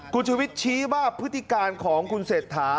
คุณชุวิตชี้ว่าพฤติการของคุณเศรษฐา